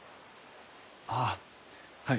ああはい。